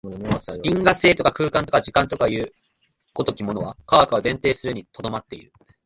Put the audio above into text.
因果性とか空間とか時間とかという如きものは、科学は前提するに留まっている。